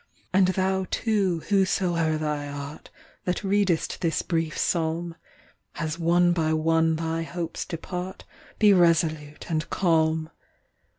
And thou, too, whosoe'er thou art, That readest this brief psalm, As one by one thy hopes depart, Be resolute and calm.